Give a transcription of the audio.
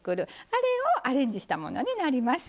あれをアレンジしたものになります。